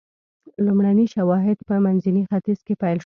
لومړني شواهد په منځني ختیځ کې پیل شول.